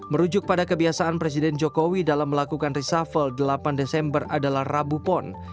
merujuk pada kebiasaan presiden jokowi dalam melakukan reshuffle delapan desember adalah rabu pon